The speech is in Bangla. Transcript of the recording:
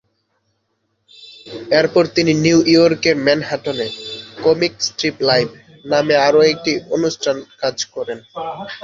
এরপর তিনি নিউ ইয়র্কের ম্যানহাটনে "কমিক স্ট্রিপ লাইভ" নামে আরো একটি অনুষ্ঠান কাজ করেন।